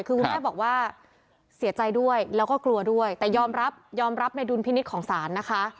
คือคุณแม่บอกว่าเสียใจด้วยแล้วก็กลัวด้วยแต่ยอมรับยอมรับในดุลพินิษฐ์ของศาลนะคะ